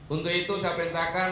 untuk itu saya perintahkan